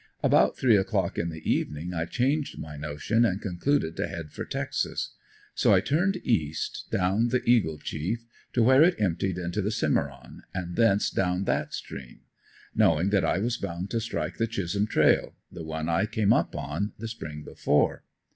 About three o'clock in the evening I changed my notion and concluded to head for Texas. So I turned east, down the Eagle Chief, to where it emptied into the Cimeron, and thence down that stream; knowing that I was bound to strike the Chisholm trail the one I came up on, the spring before.